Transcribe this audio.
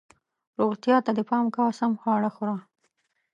روغتیا ته دې پام کوه ، سم خواړه خوره